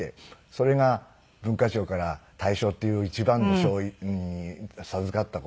それが文化庁から大賞っていう一番の賞を授かった事はね